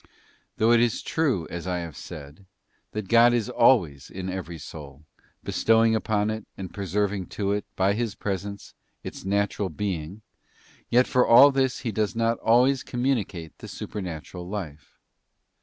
Though it be true, as I have said, that God is always in every soul, bestowing upon it, and preserving to it, by His presence, its natural being, yet for all this He does not always communicate the supernatural life..